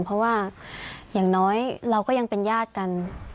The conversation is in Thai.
เพราะว่าอย่างน้อยเราก็ยังเป็นญาติกัน